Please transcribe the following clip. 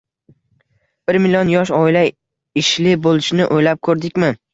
Bir million yosh oila ishli bo‘lishini o‘ylab ko‘rdikmi?